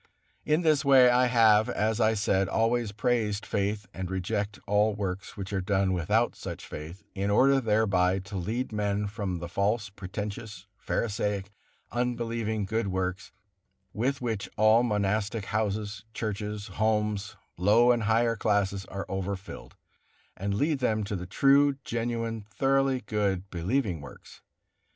In this way I have, as I said, always praised faith, and rejected all works which are done without such faith, in order thereby to lead men from the false, pretentious, pharisaic, unbelieving good works, with which all monastic houses, churches, homes, low and higher classes are overfilled, and lead them to the true, genuine, thoroughly good, believing works.